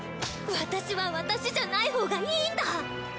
私は私じゃないほうがいいんだ！